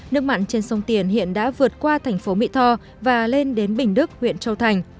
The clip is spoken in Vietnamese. nước mặn trên sông tiền hiện đã vượt qua thành phố mỹ tho và lên đến bình đức huyện châu thành